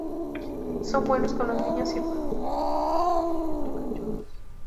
Son buenos con los niños si fueron criados con ellos desde que son cachorros.